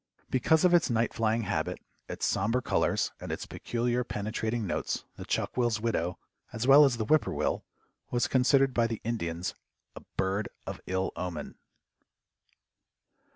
Because of its night flying habit, its somber colors and its peculiar penetrating notes the Chuck will's widow, as well as the whip poor will, was considered by the Indians a bird of ill omen.